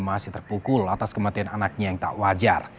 masih terpukul atas kematian anaknya yang tak wajar